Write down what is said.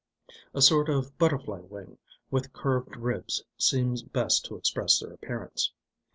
(A sort of butterfly wing with curved ribs seems best to express their appearance.)